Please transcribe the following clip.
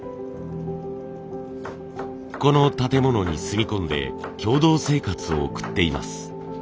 この建物に住み込んで共同生活を送っています。